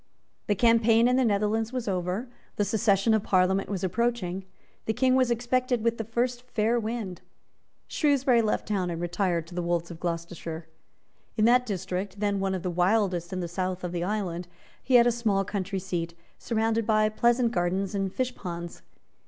The campaign in the Netherlands was over. The session of Parliament was approaching. The King was expected with the first fair wind. Shrewsbury left town and retired to the Wolds of Gloucestershire. In that district, then one of the wildest in the south of the island, he had a small country seat, surrounded by pleasant gardens and fish ponds.